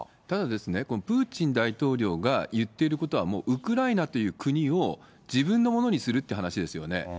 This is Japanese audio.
ただですね、プーチン大統領が言っていることは、もうウクライナという国を自分のものにするって話ですよね。